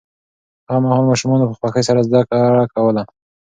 هغه مهال ماشومانو په خوښۍ سره زده کړه کوله.